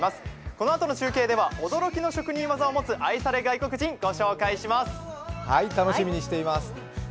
このあとの中継では驚きの特技を持つ愛され外国人を紹介していきます。